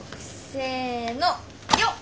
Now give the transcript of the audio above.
せのよっ！